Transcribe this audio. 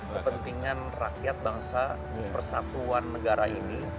kepentingan rakyat bangsa persatuan negara ini